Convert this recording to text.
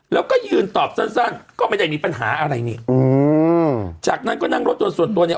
แล้วก็ยืนตอบสั้นสั้นก็ไม่ได้มีปัญหาอะไรนี่อืมจากนั้นก็นั่งรถยนต์ส่วนตัวเนี่ย